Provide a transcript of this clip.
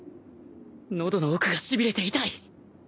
喉の奥がしびれて痛い